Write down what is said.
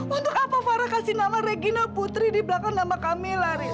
untuk apa farah kasih nama regina putri di belakang nama kamila riz